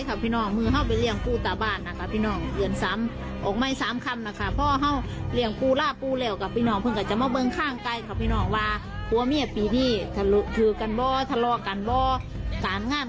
ก็คือแต่ละคนว่ามันจะไปท่างเดียวกันไหม